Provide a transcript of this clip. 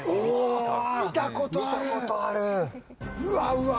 うわうわ。